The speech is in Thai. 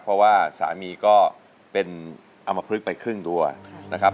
เพราะว่าสามีก็เป็นอมพลึกไปครึ่งตัวนะครับ